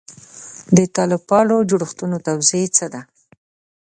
د طالب پالو جوړښتونو توضیح څه ده.